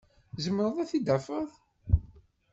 Tzemreḍ ad t-id-tafeḍ?